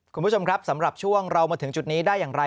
คุณผู้ชมครับสำหรับช่วงเรามาถึงจุดนี้ได้อย่างไร